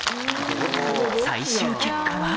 最終結果は？